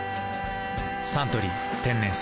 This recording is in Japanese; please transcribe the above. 「サントリー天然水」